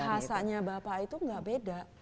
tapi bahasanya bapak itu gak beda